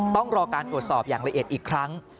ต้องรอการตรวจสอบอย่างละเอียดอีกครั้ง